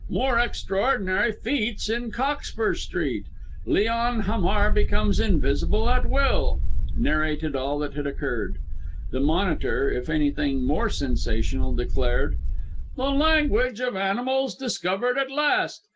MORE EXTRAORDINARY FEATS IN COCKSPUR STREET. LEON HAMAR BECOMES INVISIBLE AT WILL," narrated all that had occurred. The Monitor if anything more sensational declared "THE LANGUAGE OF ANIMALS DISCOVERED AT LAST!